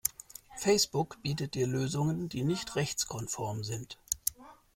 Facebook bietet dir Lösungen die nicht rechtskonform sind.